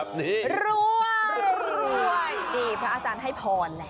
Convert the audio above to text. พระอาจารย์ให้พอนแหละ